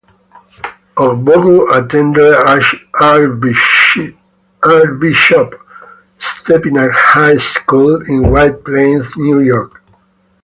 Ogbogu attended Archbishop Stepinac High School in White Plains, New York.